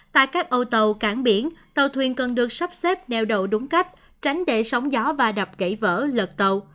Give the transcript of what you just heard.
tại các ô tàu cảng biển tàu thuyền cần được sắp xếp neo đậu đúng cách tránh để sóng gió và đập gãy vỡ lợt tàu